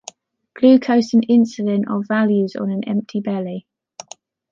Glucose and insulin are values on an empty belly.